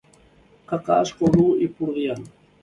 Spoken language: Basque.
Kaka asko dut ipurdian.